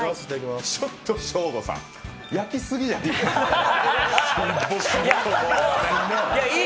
ちょっとショーゴさん焼きすぎじゃない？